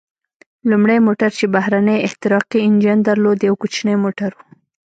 لومړی موټر چې بهرنی احتراقي انجن درلود، یو کوچنی موټر و.